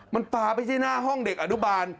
มันปลาไปที่หน้าห้องเด็กอนุบาล